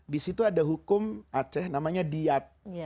disitu ada hukum aceh namanya diat